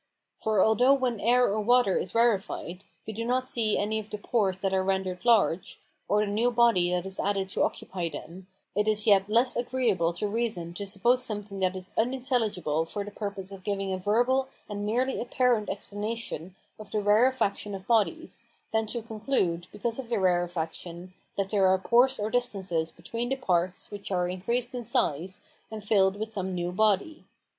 For although when air or water is rarefied we do not see any of the pores that are rendered large, or the new body that is added to occupy them, it is yet less agreeable to reason to suppose something that is unintelligible for the purpose of giving a verbal and merely apparent explanation of the rarefaction of bodies, than to conclude, because of their rarefaction, that there are pores or distances between the parts which are increased in size, and filled with some new body.